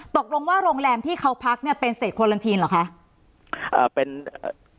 ตกลงว่าโรงแรมที่เขาพักเป็นสเตรียมควอลันทีนเหรอคะ